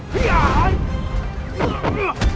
kau akan menang